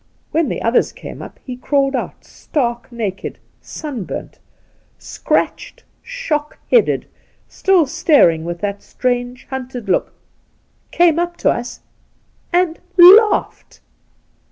When the others came up, he crawled out, stark naked, sunburnt, scratched, shock headed — still staring with that strange hunted look^ came up to us and — ^laughed